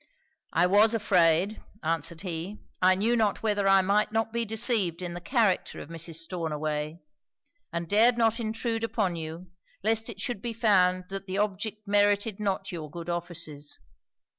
'I was afraid,' answered he. 'I knew not whether I might not be deceived in the character of Mrs. Stornaway; and dared not intrude upon you, lest it should be found that the object merited not your good offices.'